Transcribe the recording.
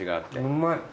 うまい。